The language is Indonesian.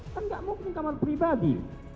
kan gak mungkin kamar pribadi